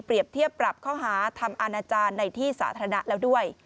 เทียบปรับข้อหาทำอาณาจารย์ในที่สาธารณะแล้วด้วย